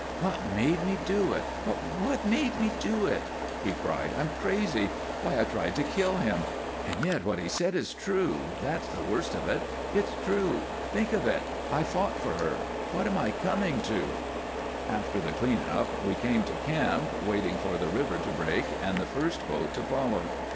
"What made me do it what made me do it?" he cried. "I'm crazy. Why, I tried to kill him! And yet what he said is true that's the worst of it it's true. Think of it, and I fought for her. What am I coming to?" After the clean up we came to camp, waiting for the river to break and the first boat to follow.